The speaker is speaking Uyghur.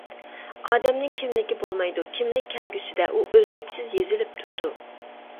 ئادەمنىڭ كىملىكى بولمايدۇ، كىملىك كەلگۈسىدە، ئۇ ئۈزلۈكسىز يېزىلىپ تۇرىدۇ.